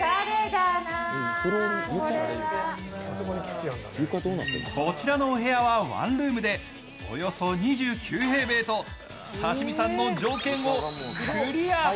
こちらのお部屋はワンルームで、およそ２９平米と刺身さんの条件をクリア。